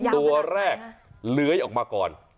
ตัวแรกเลื้อยออกมาก่อน